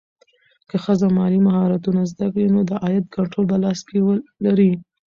که ښځه مالي مهارتونه زده کړي، نو د عاید کنټرول په لاس کې لري.